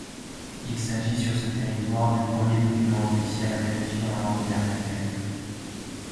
Il s'agit sur ce territoire du premier document officiel rédigé en langue vernaculaire.